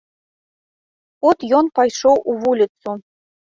От ён пайшоў у вуліцу.